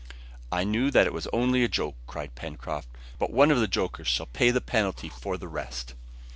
"I knew that it was only a joke," cried Pencroft, "but one of the jokers shall pay the penalty for the rest."